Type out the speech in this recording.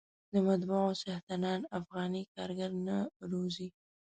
د مطبعو څښتنان افغاني کارګر نه روزي.